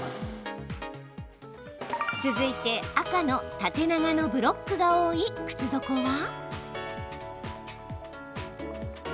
続いて、赤の縦長のブロックが多い靴底は。